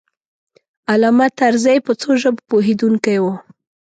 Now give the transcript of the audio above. علامه طرزی په څو ژبو پوهېدونکی و.